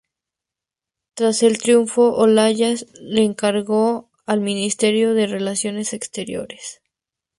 Tras el triunfo, Olaya le encargó el ministerio de Relaciones Exteriores.